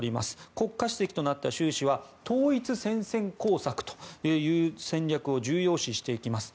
国家主席となった習氏は統一戦線工作という戦略を重要視していきます。